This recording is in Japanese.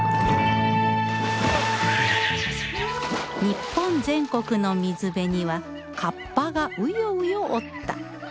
日本全国の水辺には河童がうようよおった